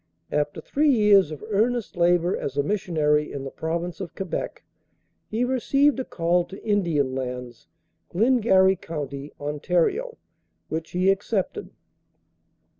After three years of earnest labor as a missionary, in the Province of Quebec, he received a call to Indian Lands, Glengarry County, Ont., which he accepted.